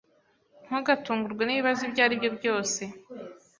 “Ntugatungurwe n’ ibibazo ibyari byo byose..